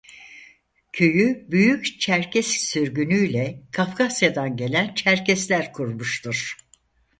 Köyü büyük Çerkes sürgünüyle Kafkasyadan gelen Çerkesler kurmuştur.